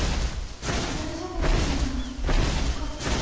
火事大丈夫だったんだよかった